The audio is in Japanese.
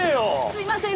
すいません。